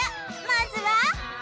まずは